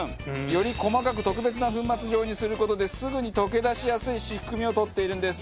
より細かく特別な粉末状にする事ですぐに溶け出しやすい仕組みを取っているんです。